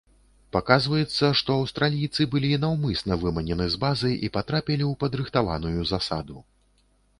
Паказваецца, што аўстралійцы былі наўмысна выманены з базы і патрапілі ў падрыхтаваную засаду.